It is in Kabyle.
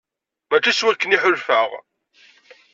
Mačči s wakken i ḥulfaɣ.